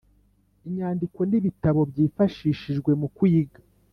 inyandiko n ibitabo byifashishijwe mu kwiga